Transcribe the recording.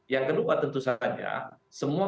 yang kedua tentu saja semua